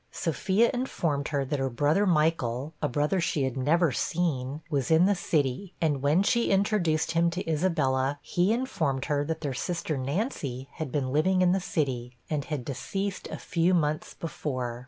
Sophia informed her that her brother Michael a brother she had never seen was in the city; and when she introduced him to Isabella, he informed her that their sister Nancy had been living in the city, and had deceased a few months before.